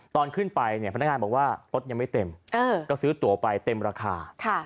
ตอนขึ้นไปเนี่ยพนักงานบอกว่ารถยังไม่เต็มก็ซื้อตัวไปเต็มราคา